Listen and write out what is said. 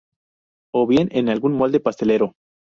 O bien, en algún molde pastelero.